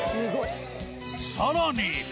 さらに。